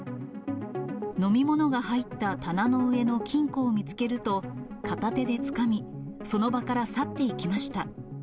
飲み物が入った棚の上の金庫を見つけると、片手でつかみ、その場から去っていきました。